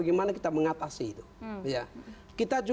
kita bisa mendapatkan informasi